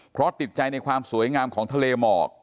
เพราะติดใจในความสวยงามของทะเลหมอก